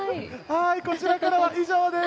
こちらからは以上です。